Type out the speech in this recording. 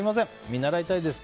見習いたいです。